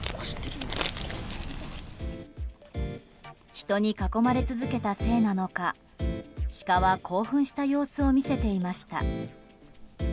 人に囲まれ続けたせいなのかシカは興奮した様子を見せていました。